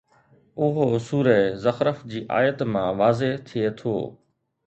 اهو سوره زخرف جي آيت مان واضح ٿئي ٿو